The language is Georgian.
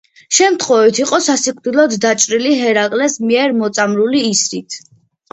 შემთხვევით იყო სასიკვდილოდ დაჭრილი ჰერაკლეს მიერ მოწამლული ისრით.